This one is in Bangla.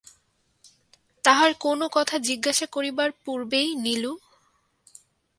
তাহার কোন কথা জিজ্ঞাসা করিবার পূর্বেই নীলু।